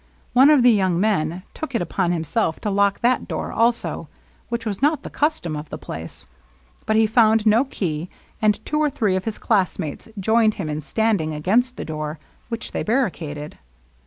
One of the young men took it upon himself to lock that door also, which was not the custom of the place ; but he found no key, and fr^o or three of his classmates joined him in standing against the door, which they barricaded.